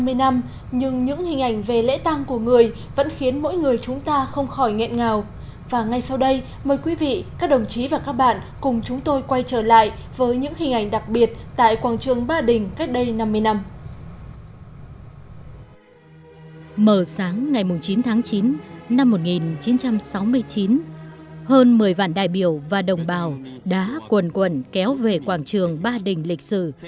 mở sáng ngày chín tháng chín năm một nghìn chín trăm sáu mươi chín hơn một mươi vạn đại biểu và đồng bào đã quần quần kéo về quảng trường ba đình lịch sử